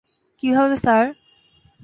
কিভাবে, স্যার?